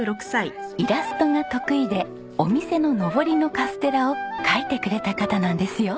イラストが得意でお店ののぼりのカステラを描いてくれた方なんですよ。